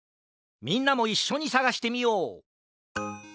みんなもいっしょにさがしてみよう！